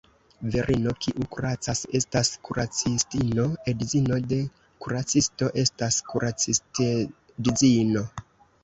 Virino, kiu kuracas, estas kuracistino; edzino de kuracisto estas kuracistedzino.